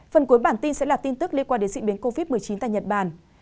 phần cuối bản tin sẽ là tin tức liên quan đến diễn biến covid một mươi chín tại nhật bản